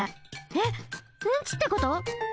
えっうんちってこと？